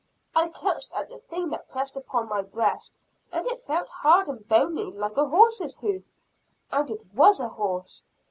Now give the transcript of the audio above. I clutched at the thing that pressed upon my breast, and it felt hard and bony like a horse's hoof and it was a horse.